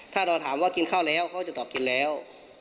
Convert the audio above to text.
ถ้าเราถามว่ากินข้าวแล้วเขาจะตอบกินแล้ว